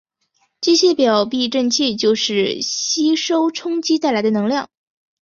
机械表避震器就是吸收冲击带来的能量。